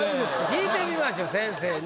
聞いてみましょう先生に。